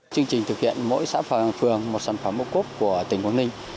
chương trình thực hiện mỗi xã phường một sản phẩm ô cốp của tỉnh quảng ninh